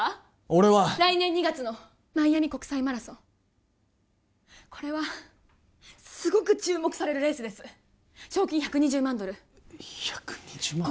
俺は来年２月のマイアミ国際マラソンこれはすごく注目されるレースです賞金１２０万ドル１２０万！？